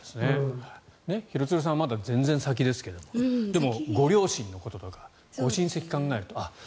廣津留さんはまだ全然先ですがでもご両親のこととかご親戚を考えると